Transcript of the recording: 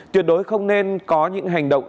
tuyệt đối không nên có những hành động